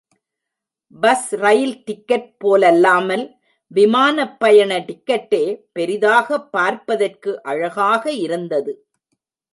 Bus ரயில் ticket போலல்லாமல், விமானப் பயண டிக்கெட்டே பெரிதாக பார்ப்பதற்கு அழகாக இருந்தது.